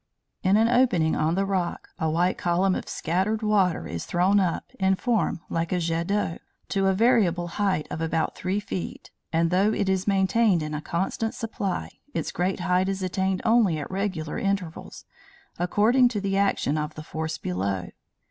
In an opening on the rock, a white column of scattered water is thrown up, in form, like a jet d'eau, to a variable height of about three feet, and, though it is maintained in a constant supply, its greatest height is attained only at regular intervals, according to the action of the force below.